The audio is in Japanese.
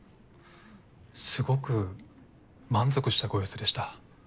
すごく満足したご様子でした。